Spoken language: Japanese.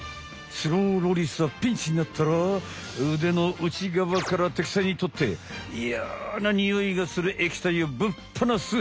スローロリスはピンチになったら腕の内側から敵さんにとってイヤなニオイがする液体をぶっぱなす。